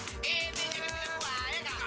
ini yang kita buah ya kan